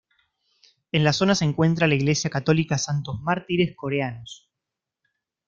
En la zona se encuentra la Iglesia Católica Santos Mártires Coreanos.